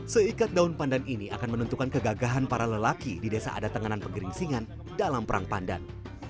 seikat daun pandan ini akan menentukan kegagahan para lelaki di desa ada tenganan pegeringsingan dalam perang pandan